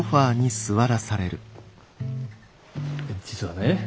実はね